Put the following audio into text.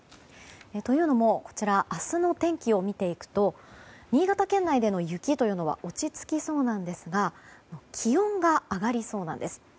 というのも明日の天気を見ていくと新潟県内での雪というのは落ち着きそうなんですが気温が上がりそうなんです。